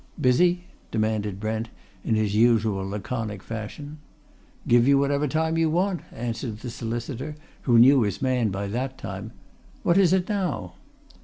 "Busy?" demanded Brent in his usual laconic fashion. "Give you whatever time you want," answered the solicitor, who knew his man by that time. "What is it now?"